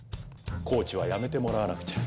コーチは辞めてもらわなくちゃ。